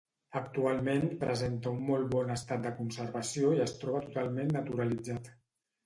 Actualment presenta un molt bon estat de conservació i es troba totalment naturalitzat.